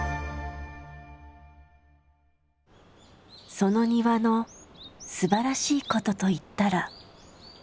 その庭のすばらしいことといったら。